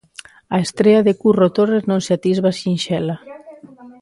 A estrea de Curro Torres non se atisba sinxela.